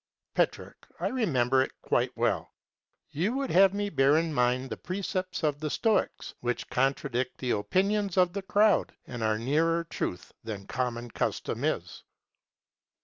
Petrarch. I remember it quite well. You would have me bear in mind the precepts of the Stoics, which contradict the opinions of the crowd and are nearer truth than common custom is.